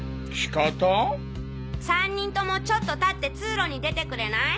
３人ともちょっと立って通路に出てくれない？